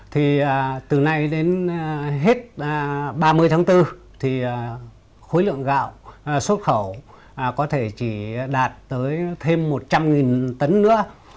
thì từ nay đến hết ba mươi tháng bốn thì khối lượng gạo xuất khẩu có thể chỉ đạt tới thêm một trăm linh tấn nữa